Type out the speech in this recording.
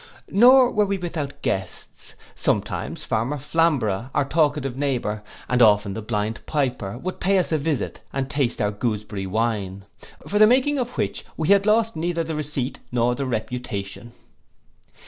Nor were we without guests: sometimes farmer Flamborough, our talkative neighbour, and often the blind piper, would pay us a visit, and taste our gooseberry wine; for the making of which we had lost neither the receipt nor the reputation.